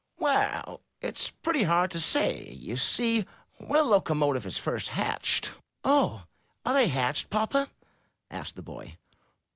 *'Well, it's pretty hard to say. You see, when a locomotive is first hatched —" ''Oh, are they hatched, papa?" asked the boy.